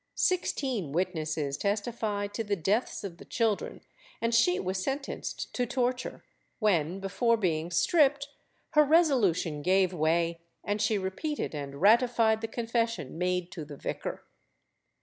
Sixteen witnesses testified to the deaths of the children, and she was sentenced to torture, when, before being stripped, her resolution gave way and she repeated and ratified the confession made to the vicar.